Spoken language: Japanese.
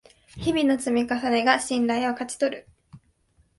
日々の積み重ねが信頼を勝ち取る